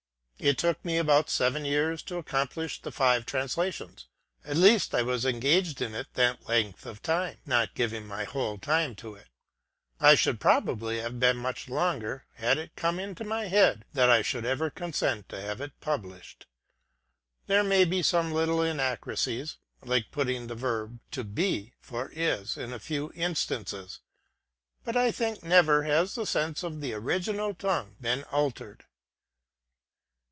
It took me about seven years to accomplish the five translations, at least, I was engaged in it that length of time, not giving my whole time to it. I should probably have been much longer, had it come into my head that 1 should ever consent to have it published. There may be some little inaccuracies, like putting the verb to be, for is, in a few instances, but I think never has the sense of the Original Tongue been altered.